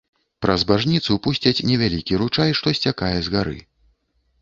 Праз бажніцу пусцяць невялікі ручай, што сцякае з гары.